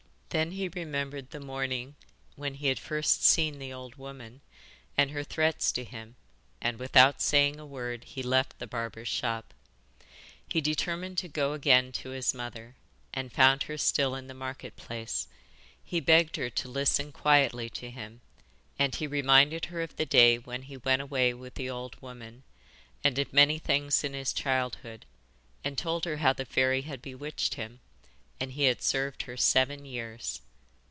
Then he remembered the morning when he had first seen the old woman, and her threats to him, and without saying a word he left the barber's shop. He determined to go again to his mother, and found her still in the market place. He begged her to listen quietly to him, and he reminded her of the day when he went away with the old woman, and of many things in his childhood, and told her how the fairy had bewitched him, and he had served her seven years.